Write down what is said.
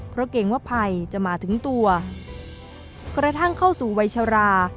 เพราะเกรงว่าภัยจะมาถึงตัวกระทั่งเข้าสู่วัยชรา